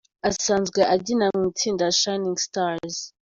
Asanzwe abyina mu itsinda Shinning Stars.